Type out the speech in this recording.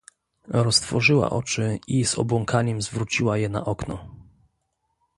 "Roztworzyła oczy i z obłąkaniem zwróciła je na okno."